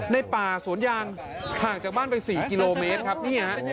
ในป่าสวนยางห่างจากบ้านไป๔กิโลเมตรครับนี่ฮะ